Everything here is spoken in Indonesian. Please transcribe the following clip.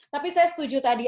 tapi saya setuju tadi